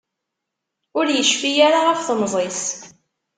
Ur yecfi ara ɣef temẓi-s.